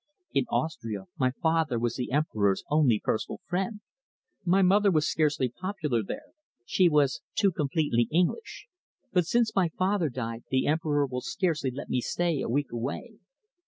In Austria my father was the Emperor's only personal friend. My mother was scarcely popular there she was too completely English but since my father died the Emperor will scarcely let me stay a week away.